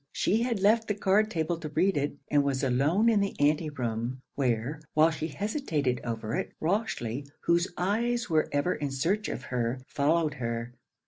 She had left the card table to read it, and was alone in the anti room; where, while she hesitated over it, Rochely, whose eyes were ever in search of her, followed her.